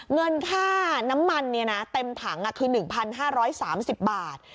เงินค่าน้ำมันเต็มถังคือ๑๕๓๐บาท